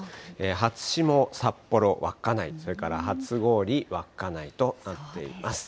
初霜、札幌・稚内、それから初氷、稚内となっています。